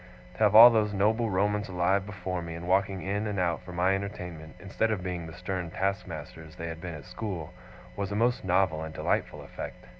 To have all those noble Romans alive before me, and walking in and out for my entertainment, instead of being the stern taskmasters they had been at school, was a most novel and delightful effect.